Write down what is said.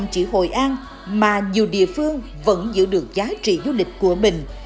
chỉ hội an mà nhiều địa phương vẫn giữ được giá trị du lịch của mình